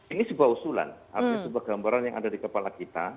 ini sebuah usulan artinya sebuah gambaran yang ada di kepala kita